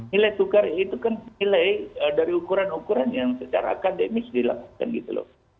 nilai tukar itu kan nilai dari ukuran ukuran yang secara akademis dilakukan gitu loh